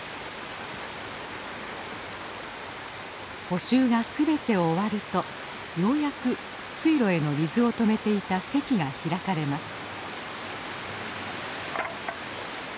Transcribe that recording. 補修が全て終わるとようやく水路への水を止めていた堰が開かれます。